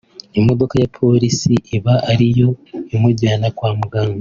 imodoka ya Polisi iba ari yo imujyana kwa muganga